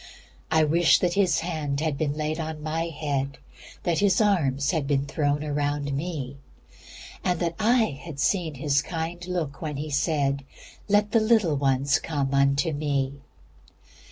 "I wish that His hand had been laid on my head, That His arms had been thrown around me, And that I had seen His kind look when he said, 'Let the little ones come unto me.'"